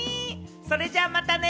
それじゃあ、またね！